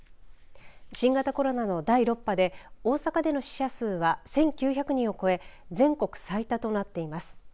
新型コロナの第６波で大阪での死者数は１９００人を超え全国最多となっています。